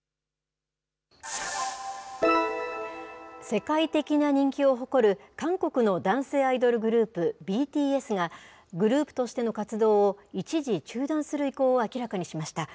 世界的な人気を誇る、韓国の男性アイドルグループ、ＢＴＳが、グループとしての活動を一時中断する意向を明らかにしました。